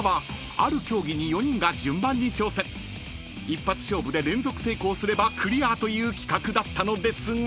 ［一発勝負で連続成功すればクリアという企画だったのですが］